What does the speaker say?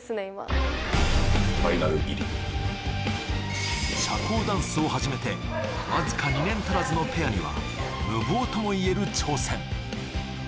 今社交ダンスを始めてわずか２年足らずのペアには無謀とも言える挑戦